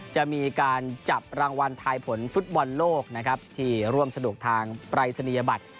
จะมีการจับรางวัลทายผลฟุตบอลโลกนะครับที่ร่วมสนุกทางปรายศนียบัตร